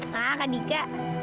hah kak dika